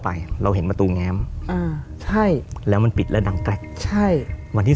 ไปเราเห็นประตูแง้มอ่าใช่แล้วมันปิดแล้วดังแกรกใช่วันที่